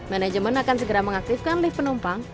manajemen akan segera mengaktifkan lift penumpang